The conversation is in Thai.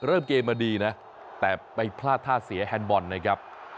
เริ่มเกมมาดีนะแต่ไปพลาดท่าเสียแฮนดบอลนะครับ